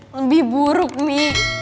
lebih buruk mi